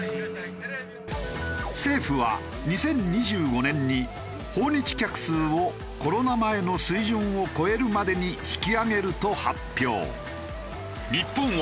政府は２０２５年に訪日客数をコロナ前の水準を超えるまでに引き上げると発表。